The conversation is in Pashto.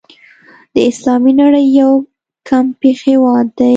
د اسلامي نړۍ یو کمپېښ هېواد دی.